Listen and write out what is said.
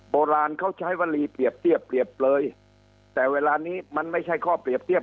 โบราณเขาใช้วลีเปรียบเทียบเปรียบเปลยแต่เวลานี้มันไม่ใช่ข้อเปรียบเทียบ